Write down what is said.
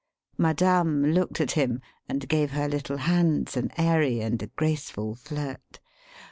"Madame" looked at him and gave her little hands an airy and a graceful flirt.